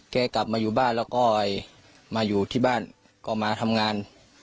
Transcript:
กลับมาอยู่บ้านแล้วก็มาอยู่ที่บ้านก็มาทำงาน